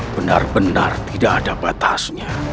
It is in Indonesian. benar benar tidak ada batasnya